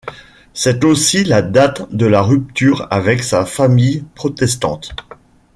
C'est aussi la date de la rupture avec sa famille protestante.